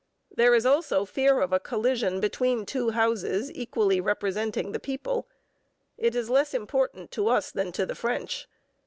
There is also fear of a collision between two houses equally representing the people. It is less important to us than to the French.